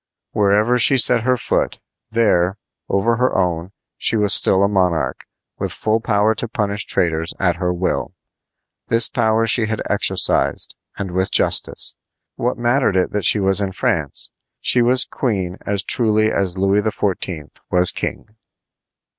Wherever she set her foot, there, over her own, she was still a monarch, with full power to punish traitors at her will. This power she had exercised, and with justice. What mattered it that she was in France? She was queen as truly as Louis XIV. was king.